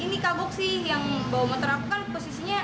ini kabuk sih yang bawa motor aku kan posisinya